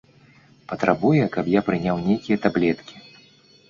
Патрабуе, каб я прыняў нейкія таблеткі!